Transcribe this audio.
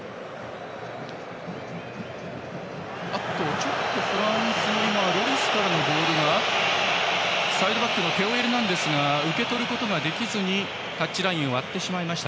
ちょっとフランスのロリスからのボールをサイドバックのテオ・エルナンデスが受け取ることができずタッチラインを割りました。